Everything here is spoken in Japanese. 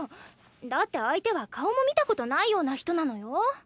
だって相手は顔も見たことないような人なのよ！